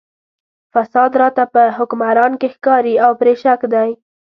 فساد راته په حکمران کې ښکاري او پرې شک دی.